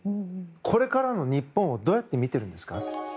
これからの日本をどうやって見てるんですか？